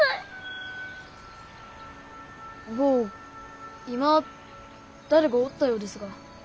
坊今誰かおったようですが。